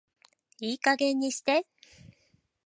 いい加減にして